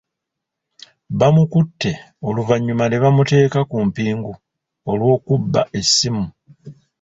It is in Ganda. Baamukutte n'oluvannyuma ne bamuteeka ku mpingu olw'okubba essimu.